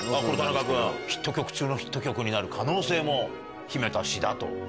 これ田中君ヒット曲中のヒット曲になる可能性も秘めた詩だと。